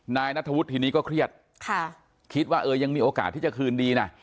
นายนัทธวุฒิทีนี้ก็เครียดค่ะคิดว่าเออยังมีโอกาสที่จะคืนดีนะ